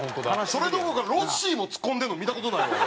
それどころかロッシーもツッコんでるの見た事ないわ俺。